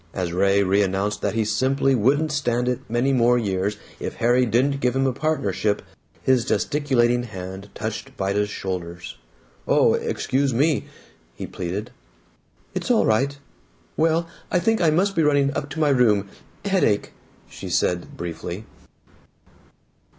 As Ray reannounced that he simply wouldn't stand it many more years if Harry didn't give him a partnership, his gesticulating hand touched Vida's shoulders. "Oh, excuse me!" he pleaded. "It's all right. Well, I think I must be running up to my room. Headache," she said briefly.